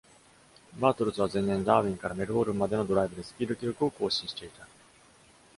バートルズは前年、ダーウィンからメルボルンまでのドライブでスピード記録を更新していた。